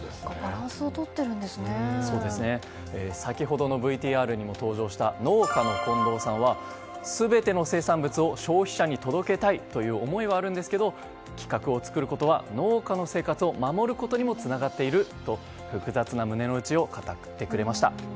先ほどのＶＴＲにも登場した農家の近藤さんは全ての生産物を消費者に届けたいという思いはあるんですが規格を作ることは農家の生活を守ることにもつながっていると複雑な胸の内を語ってくれました。